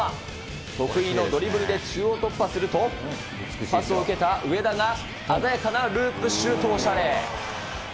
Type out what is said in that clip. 得意のドリブルで中央突破すると、パスを受けた上田が鮮やかなループシュート、おしゃれ。